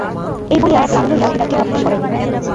এই বলিয়া এক লাড়ু লইয়া বিড়ালকে ভক্ষণ করাইলেন।